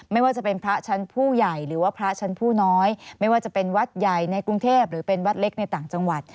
ไม่ว่าจะเป็นพระชั้นผู้ใหญ่พระชั้นผู้น้อยวัดใหญ่ในกรุงเทพฯวัดเล็กในต่างจังวัด